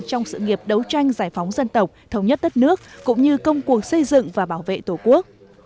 trong sự nghiệp đấu tranh giải phóng dân tộc thống nhất đất nước cũng như công cuộc xây dựng và bảo vệ tổ quốc